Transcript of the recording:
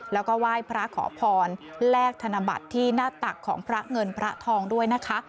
แล้วก็ไหว้พระขอพรแลกธนบัตรที่หน้าตักของพระเงินพระทองด้วยนะคะ